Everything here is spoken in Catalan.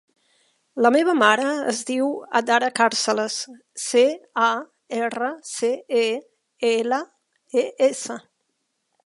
La meva mare es diu Adara Carceles: ce, a, erra, ce, e, ela, e, essa.